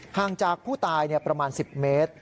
ห่างจากผู้ตายประมาณ๑๐เมตร